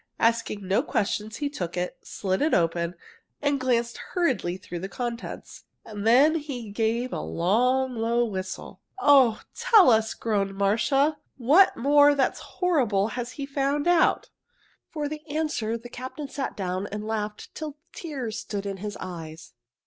Asking no questions, he took it, slit it open, and glanced hurriedly through the contents. Then he gave a long, low whistle. "Oh, tell us!" groaned Marcia. "What more that's quite horrible has he found out?" For answer the captain sat down and laughed till the tears stood in his eyes.